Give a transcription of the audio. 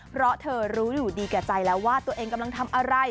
เพราะเธอรู้อยู่ดีแก่ใจแล้วว่าตัวเองกำลังทำอะไร